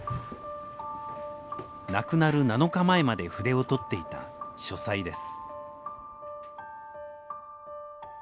亡くなる７日前まで筆を執っていた書斎です。